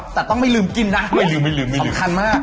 แทบต้องไม่ลืมกินนะ